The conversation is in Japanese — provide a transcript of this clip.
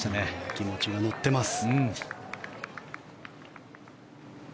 気持ちが乗ってます。